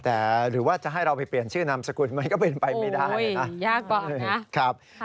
แต่หรือว่าจะให้เราไปเปลี่ยนชื่อนามสกุลมันก็เป็นไปไม่ได้นะยากมากเลย